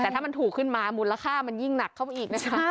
แต่ถ้ามันถูกขึ้นมามูลค่ามันยิ่งหนักเข้าไปอีกนะคะ